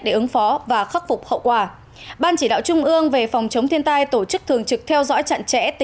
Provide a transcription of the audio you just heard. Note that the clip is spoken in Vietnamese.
để ứng phó và khắc phục hậu quả